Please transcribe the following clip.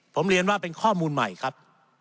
ผมเรียนว่าเป็นข้อมูลใหม่ครับ